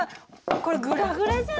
これグラグラじゃない。